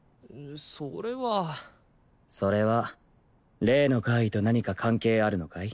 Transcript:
それはそれは例の怪異と何か関係あるのかい？